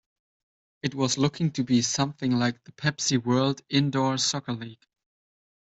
It was looking to be something like The Pepsi World Indoor Soccer League.